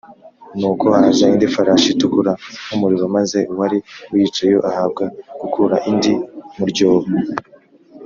Nuko haza indi farashi itukura nk umuriro maze uwari uyicayeho ahabwa gukura indi muryobo